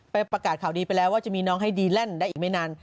ประกาศข่าวดีไปแล้วว่าจะมีน้องให้ดีแลนด์ได้อีกไม่นาน